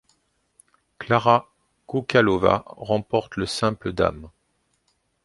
Klára Koukalová remporte le simple dames.